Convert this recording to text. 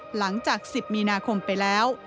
หลังจาก๑๐มีนาคมไปแล้ว